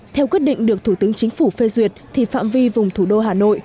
theo quyết định được thủ tướng chính phủ phê duyệt thì phạm vi vùng thủ đô hà nội